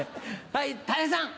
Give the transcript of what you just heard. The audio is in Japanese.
はいたい平さん。